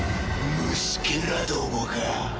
虫けらどもが！